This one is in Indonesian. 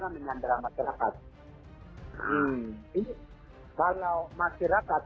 penyandraan adalah penyandraan masyarakat